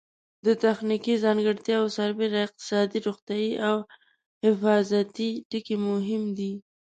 د تخنیکي ځانګړتیاوو سربېره اقتصادي، روغتیایي او حفاظتي ټکي مهم دي.